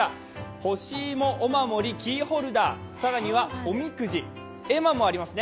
ほしいもお守り、キーホルダー、更にはおみくじ、絵馬もありますね